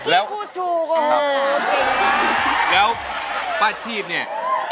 แล้วป่าชีพเนี่ย